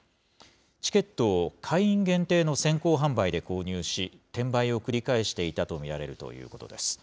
チケットを会員限定の先行販売で購入し、転売を繰り返していたと見られるということです。